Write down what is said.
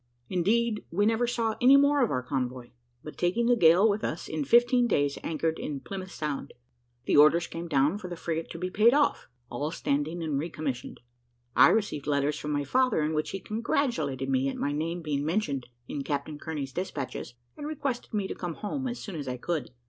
Indeed, we never saw any more of our convoy, but taking the gale with us, in fifteen days anchored in Plymouth Sound. The orders came down for the frigate to be paid off, all standing, and re commissioned. I received letters from my father, in which he congratulated me at my name being mentioned in Captain Kearney's despatches, and requested me to come home as soon as I could.